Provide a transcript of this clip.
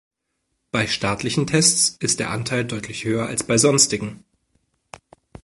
Bei staatlichen Tests ist der Anteil deutlich höher als bei sonstigen.